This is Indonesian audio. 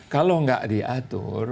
kalau nggak diatur